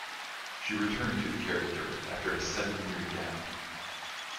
She returned to the character after a seven-year gap.